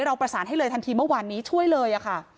เราประสานให้เลยทันทีเมื่อวานนี้ช่วยเลยค่ะ